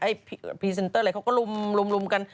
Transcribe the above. พรีเซนเตอร์อะไรเขาก็ลุมกัน